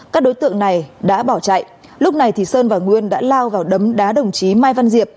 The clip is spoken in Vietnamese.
các đối tượng này đã bỏ chạy lúc này thì sơn và nguyên đã lao vào đấm đá đồng chí mai văn diệp